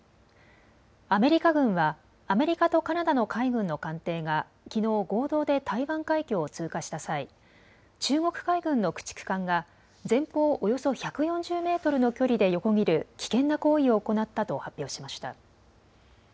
アメリカ軍はアメリカとカナダの海軍の艦艇がきのう合同で台湾海峡を通過した際、中国海軍の駆逐艦が前方およそ１４０メートルの距離で横切る危険な行為を行ったと発表しました。